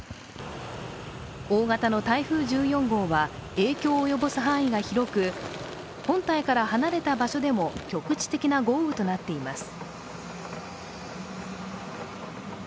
大型の台風１４号は影響を及ぼす範囲が広く、本体から離れた場所でも局地的な豪雨となっています。